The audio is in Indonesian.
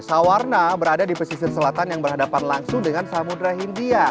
sawarna berada di pesisir selatan yang berhadapan langsung dengan samudera hindia